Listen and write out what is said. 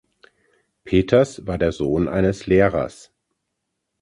Peters war der Sohn eines Lehrers.